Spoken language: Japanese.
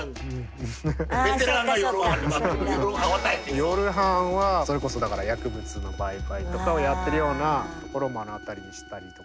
夜班はそれこそだから薬物の売買とかをやってるようなところを目の当たりにしたりとか。